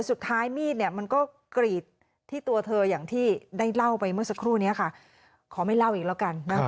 สุดท้ายมีดเนี่ยมันก็กรีดที่ตัวเธออย่างที่ได้เล่าไปเมื่อสักครู่นี้ค่ะขอไม่เล่าอีกแล้วกัน